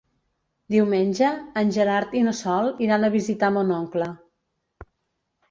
Diumenge en Gerard i na Sol iran a visitar mon oncle.